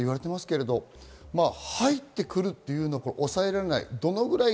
入ってくるのは抑えられない。